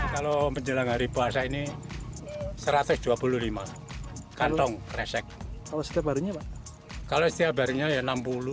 kalau menjelang hari puasa ini satu ratus dua puluh lima kantong resek kalau setiap harinya kalau setiap harinya yang enam ribu tujuh puluh lima